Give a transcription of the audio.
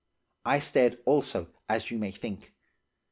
I stared also as you may think.